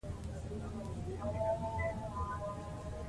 سیاسي بدلون د سولې لاره ده